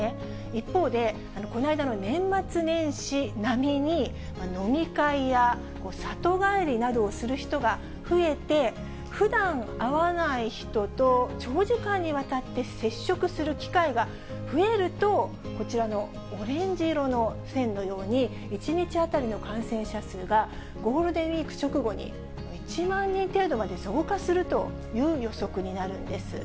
一方で、この間の年末年始並みに飲み会や里帰りなどをする人が増えて、ふだん会わない人と長時間にわたって接触する機会が増えると、こちらのオレンジ色の線のように、１日当たりの感染者数が、ゴールデンウィーク直後に１万人程度まで増加するという予測になるんです。